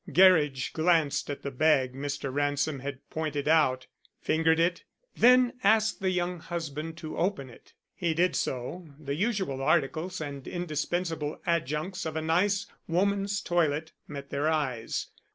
Gerridge glanced at the bag Mr. Ransom had pointed out, fingered it, then asked the young husband to open it. He did so. The usual articles and indispensable adjuncts of a nice woman's toilet met their eyes.